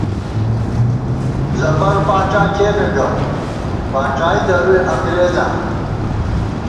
ظفر فاڄا کېنے گہ ، فاڄائی درُوئی انگرېزاں